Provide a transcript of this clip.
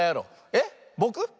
えっぼく？